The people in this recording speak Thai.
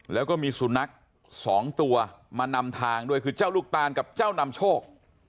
แล้วก็มีสุนัขสองตัวมานำทางด้วยคือเจ้าลูกตานกับเจ้านำโชค